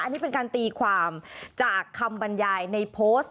อันนี้เป็นการตีความจากคำบรรยายในโพสต์